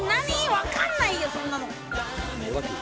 わかんないよ、そんなの！